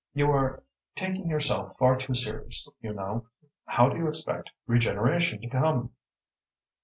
You are taking yourself far too seriously, you know. How do you expect regeneration to come?"